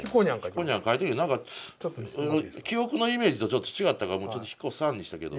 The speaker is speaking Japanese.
ひこにゃん描いたけど何かちょっと記憶のイメージとちょっと違ったからちょっとひこさんにしたけど。